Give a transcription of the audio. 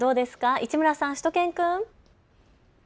市村さん、しゅと犬くん。